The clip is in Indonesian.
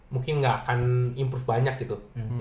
mungkin nggak akan improve banyak gitu